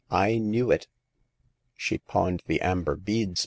I knew it !'She pawned the amber beads.